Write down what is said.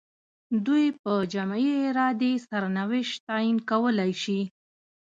دوی په جمعي ارادې سرنوشت تعیین کولای شي.